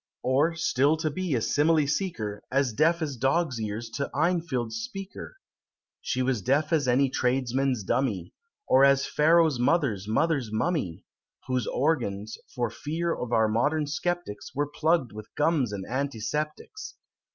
Or, still to be a simile seeker, As deaf as dogs' ears to Enfield's Speaker! She was deaf as any tradesman's dummy, Or as Pharaoh's mother's mother's mummy; Whose organs, for fear of our modern sceptics, Were plugg'd with gums and antiseptics.